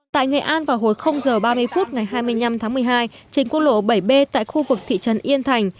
tại nghệ an vào hồi h ba mươi phút ngày hai mươi năm tháng một mươi hai trên quốc lộ bảy b tại khu vực thị trấn yên thành